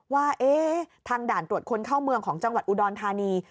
ว่าทางด่านตรวจคนเข้าเมืองของจังหวัดอุดรธานี